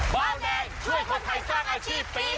เบาแดงช่วยคนไทยสร้างอาชีพปี๒๕